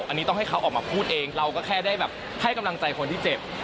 อันนี้ต้องให้เขาออกมาพูดเองเราก็แค่ได้แบบให้กำลังใจคนที่เจ็บ